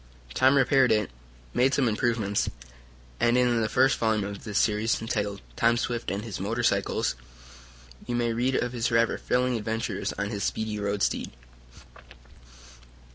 Tom repaired it, made some improvements, and, in the first volume of this series, entitled "Tom Swift and His Motor cycle," you may read of his rather thrilling adventures on his speedy road steed.